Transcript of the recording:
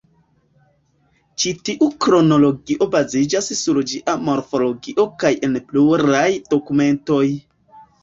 Ĉi tiu kronologio baziĝas sur ĝia morfologio kaj en pluraj dokumentoj.